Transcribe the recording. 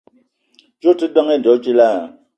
Djeue ote ndeng edo djila?